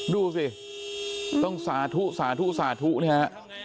ดูสิต้องสาธุสาธุสาธุเนี่ยฮะ